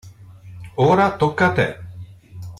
Ora tocca a te!